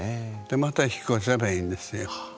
また引っ越せばいんですよ。